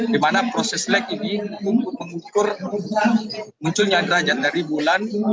di mana proses leg ini untuk mengukur munculnya derajat dari bulan